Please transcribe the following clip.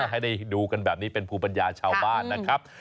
ให้ได้ดูกันแบบนี้เป็นภูมิปัญญาชาวบ้านนะครับ